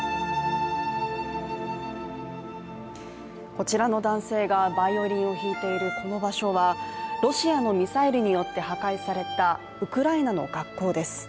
こちらの男性がバイオリンを弾いているこの場所はロシアのミサイルによって破壊されたウクライナの学校です。